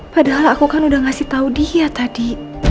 padahal aku kan udah ngasih tau dia tadi